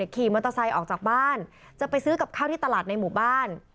ขี่มอเตอร์ไซค์ออกจากบ้านจะไปซื้อกับข้าวที่ตลาดในหมู่บ้าน